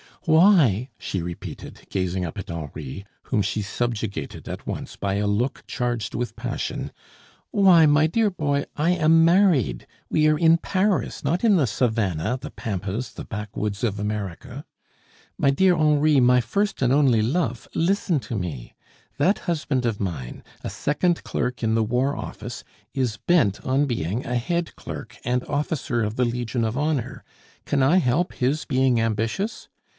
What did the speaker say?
"Why?" she repeated, gazing up at Henri, whom she subjugated at once by a look charged with passion, "why, my dear boy, I am married; we are in Paris, not in the savannah, the pampas, the backwoods of America. My dear Henri, my first and only love, listen to me. That husband of mine, a second clerk in the War Office, is bent on being a head clerk and officer of the Legion of Honor; can I help his being ambitious?